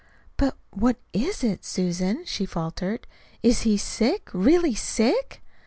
"But what IS it, Susan?" she faltered. "Is he sick, really sick?"